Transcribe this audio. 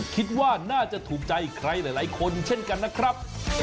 คิดว่าน่าจะถูกใจใครหลายคนเช่นกันนะครับ